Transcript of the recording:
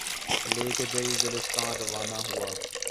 لے کے دل، دلستاں روانہ ہوا